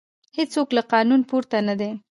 هیڅوک له قانون پورته نه دی